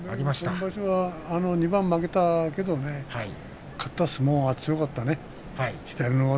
今場所２番負けたけど勝った相撲は強かったね、逸ノ城。